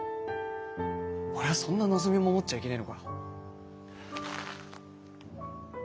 俺はそんな望みも持っちゃいけねえのか。